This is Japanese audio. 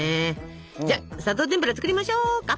じゃあ砂糖てんぷら作りましょうか。